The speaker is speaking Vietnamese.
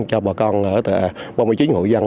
cho bà con ở ba mươi chín hội dân